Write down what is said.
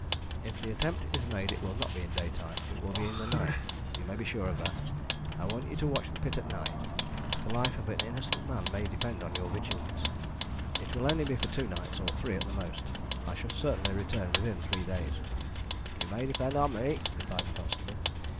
"If the attempt is made it will not be in daytime it will be in the night, you may be sure of that. I want you to watch the pit at night. The life of an innocent man may depend on your vigilance. It will only be for two nights, or three at the most. I shall certainly return within three days." "You may depend on me," replied the constable.